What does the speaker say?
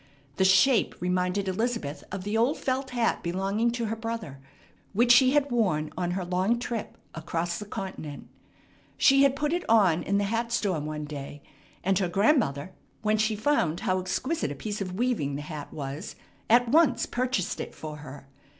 The shape reminded Elizabeth of the old felt hat belonging to her brother, which she had worn on her long trip across the continent. She had put it on in the hat store one day; and her grandmother, when she found how exquisite a piece of weaving the hat was, at once purchased it for her.